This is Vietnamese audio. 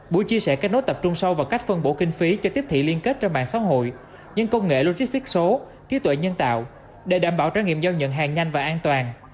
buổi chia sẻ kết nối tập trung sâu vào cách phân bổ kinh phí cho tiếp thị liên kết trên mạng xã hội những công nghệ logistic số trí tuệ nhân tạo để đảm bảo trải nghiệm giao nhận hàng nhanh và an toàn